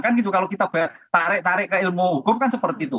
kan gitu kalau kita tarik tarik ke ilmu hukum kan seperti itu